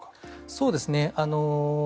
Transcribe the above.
そうですね。